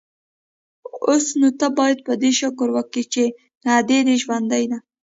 اوس نو ته بايد په دې شکر وکې چې ادې دې ژوندۍ ده.